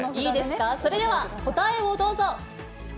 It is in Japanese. それでは答えをどうぞ。